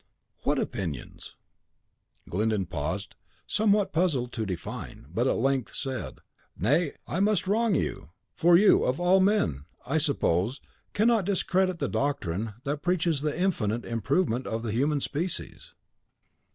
"What opinions?" Glyndon paused, somewhat puzzled to define; but at length he said, "Nay, I must wrong you; for you, of all men, I suppose, cannot discredit the doctrine that preaches the infinite improvement of the human species."